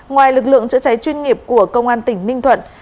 ngoài lực lượng chữa cháy chuyên nghiệp của công an tỉnh ninh thuận